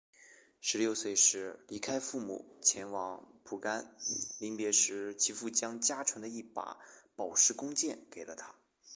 十六岁时离开父母前往蒲甘临别时其父将家传的一把宝石弓箭给了他。